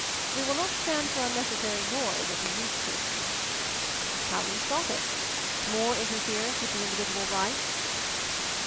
We will not stand for unnecessary noise, as we used to." "How do you stop it? More interference with the individual rights?"